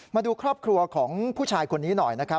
มาดูครอบครัวของผู้ชายคนนี้หน่อยนะครับ